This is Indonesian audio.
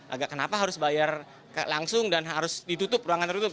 agak kenapa harus bayar langsung dan harus ditutup ruangan tertutup